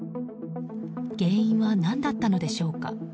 原因は何だったのでしょうか。